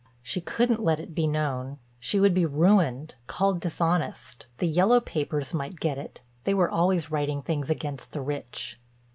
She couldn't let it be known. She would be ruined, called dishonest; the yellow papers might get it—they were always writing things against the rich.